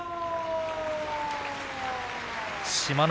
志摩ノ